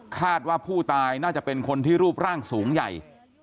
คาดว่าผู้ตายน่าจะเป็นคนที่รูปร่างสูงใหญ่